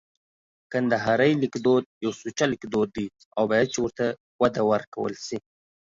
کندهارۍ لیکدود یو سوچه لیکدود دی او باید چي ورته وده ورکول سي